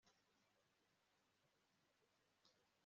Ijoro riracyari karereka tubyine